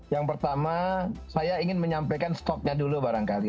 yang pertama saya ingin menyampaikan stoknya dulu barangkali